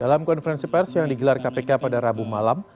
dalam konferensi pers yang digelar kpk pada rabu malam